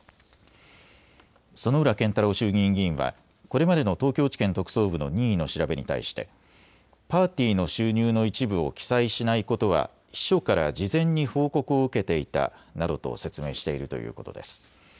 薗浦健太郎衆議院議員はこれまでの東京地検特捜部の任意の調べに対してパーティーの収入の一部を記載しないことは秘書から事前に報告を受けていたなどと説明しているということです。